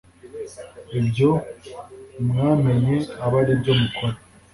ibyo mwamenye abe ari byo mukora.